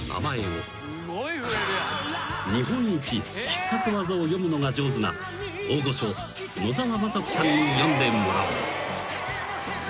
［日本一必殺技を読むのが上手な大御所野沢雅子さんに読んでもらおう］